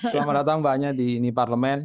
selamat datang mbaknya di ini parlemen